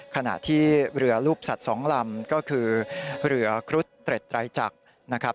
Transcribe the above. ขณะที่เรือรูปสัตว์สองลำก็คือเรือครุฑเตร็ดไตรจักรนะครับ